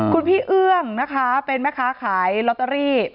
คุณพี่เอื้องนะคะเป็นแม่ค้าขายลอตเตอรี่